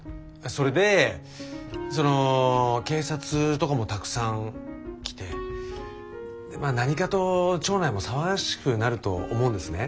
それでその警察とかもたくさん来て何かと町内も騒がしくなると思うんですね。